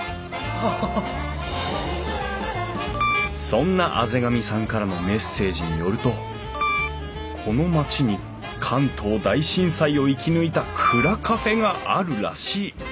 そんな畔上さんからのメッセージによるとこの町に関東大震災を生き抜いた蔵カフェがあるらしい。